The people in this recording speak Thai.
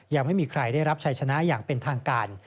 ยังไม่มีใครได้รับชัยชนะอย่างเป็นทางการ